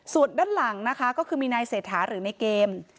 ส่วนด้านหลังนะคะก็คือมีนายเศรษฐาหรือในเกม